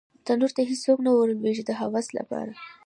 تنور ته هېڅوک نه ور لویږې د هوس لپاره